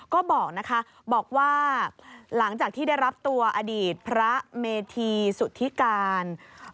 ก็บอกนะคะบอกว่าหลังจากที่ได้รับตัวอดีตพระเมธีสุธิการ